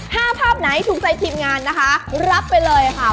ถ้าภาพไหนถูกใจทีมงานนะคะรับไปเลยค่ะ